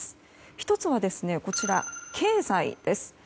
１つは、経済です。